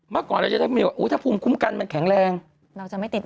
เมื่อก่อนเราจะได้มีว่าอุ้ยถ้าภูมิคุ้มกันมันแข็งแรงเราจะไม่ติด